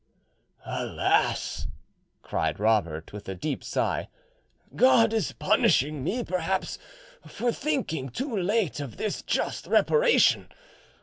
"Alas!" cried Robert, with a deep sigh, "God is punishing me perhaps for thinking too late of this just reparation.